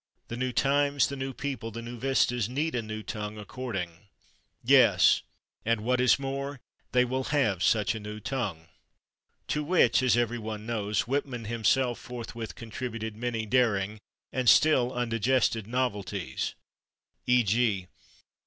The new times, the new people, the new vistas need a new tongue according yes, and what is more, they will have such a new tongue." To which, as everyone knows, Whitman himself forthwith contributed many daring (and still undigested) novelties, /e. g.